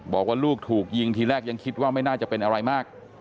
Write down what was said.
บอกว่าลูกถูกยิงทีแรกยังคิดว่าไม่น่าจะเป็นอะไรมาก